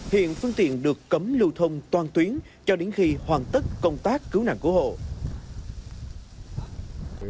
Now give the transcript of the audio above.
hiện phương tiện được cấm lưu thông toàn tuyến cho đến khi hoàn tất công tác cứu nạn cứu hộ